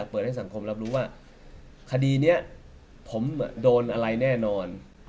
ปุ๊บอบอบถึงคดีนี้ผมโดนอะไรแน่นอน